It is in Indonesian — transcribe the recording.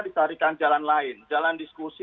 dicarikan jalan lain jalan diskusi